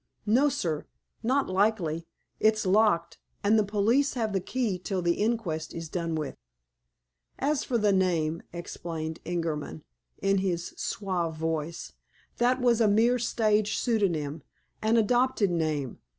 "No, sir. Not likely. It's locked, and the police have the key till the inquest is done with." "As for the name," explained Ingerman, in his suave voice, "that was a mere stage pseudonym, an adopted name.